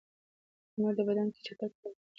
درمل د بدن کې چټک حل کېږي.